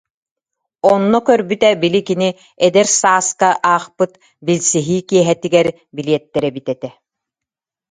Онно көрбүтэ, били кини «Эдэр сааска» аахпыт билсиһии киэһэтигэр билиэттэр эбит этэ